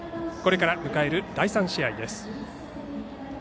これから迎える第３試合です。